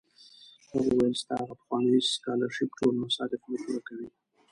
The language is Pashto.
هغوی ویل ستا هغه پخوانی سکالرشېپ ټول مصارف نه پوره کوي.